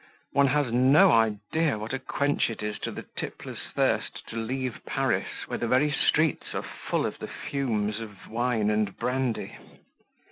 One has no idea what a quench it is to the tippler's thirst to leave Paris where the very streets are full of the fumes of wine and brandy.